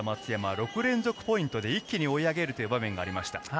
６連続ポイントで一気に追い上げるという場面がありました。